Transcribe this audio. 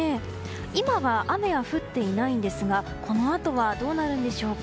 今は雨は降っていないんですがこのあとはどうなるんでしょうか。